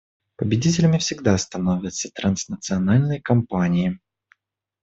Победителями всегда становятся транснациональные компании.